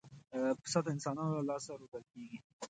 پسه د انسانانو له لاسه روزل کېږي.